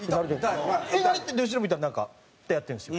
えっ何？っていって後ろ向いたらなんかってやってるんですよ。